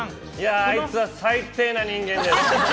あいつは最低な人間です。